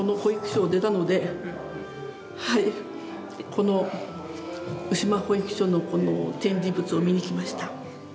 この鵜島保育所のこの展示物を見に来ました。